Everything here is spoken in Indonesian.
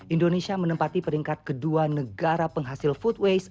indonesia menempati peringkat kedua negara penghasil food waste